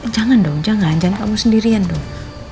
jangan dong jangan jangan kamu sendirian dong